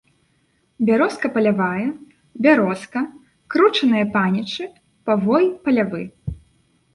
Бярозка палявая, бярозка, кручаныя панічы, павой палявы.